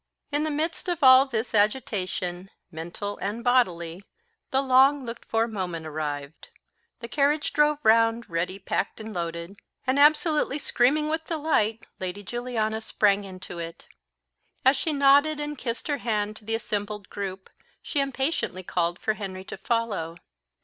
In the midst of all this agitation, mental and bodily, the long looked for moment arrived. The carriage drove round ready packed and loaded, and, absolutely screaming with delight, Lady Juliana sprang into it. As she nodded and kissed her hand to the assembled group, she impatiently called to Henry to follow.